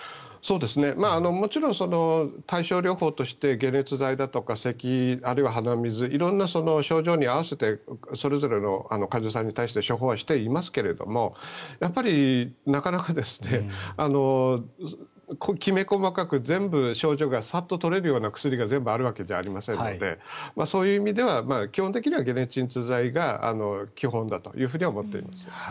もちろん対症療法として解熱剤だとかせき、あるいは鼻水色んな症状に合わせてそれぞれの患者さんに対して処方はしていますけれどもなかなかきめ細かく全部、症状がサッと取れるような薬が全部あるわけじゃありませんのでそういう意味では基本的には解熱鎮痛剤が基本だというふうには思っています。